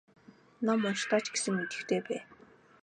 Ном уншихдаа ч гэсэн идэвхтэй бай.